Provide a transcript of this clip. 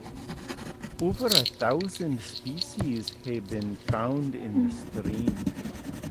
Over a thousand species have been found in the stream.